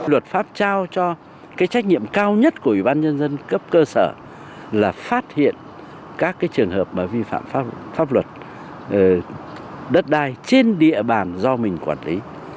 luật pháp trao cho cái trách nhiệm cao nhất của ủy ban nhân dân cấp cơ sở là phát hiện các trường hợp vi phạm pháp luật đất đai trên địa bàn do mình quản lý